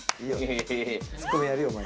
ツッコミやるよ。